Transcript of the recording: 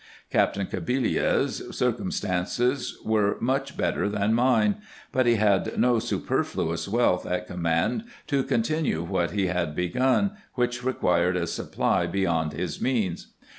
Captain Cabillia's circumstances were much better than mine ; but he had no superfluous wealth at command, to continue what he had begun, winch required a supply beyond his means.